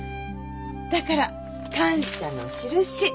だから感謝のしるし。